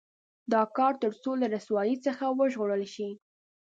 دا کار تر څو له رسوایۍ څخه وژغورل شي.